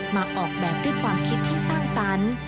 มาออกแบบด้วยความคิดที่สร้างสรรค์